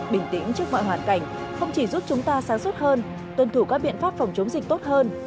bình tĩnh trước mọi hoàn cảnh không chỉ giúp chúng ta sáng suốt hơn tuân thủ các biện pháp phòng chống dịch tốt hơn